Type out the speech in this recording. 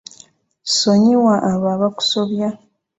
Ssonyiwa abo abakusobya.